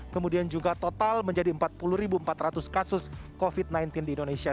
kemudian juga total menjadi empat puluh empat ratus kasus covid sembilan belas di indonesia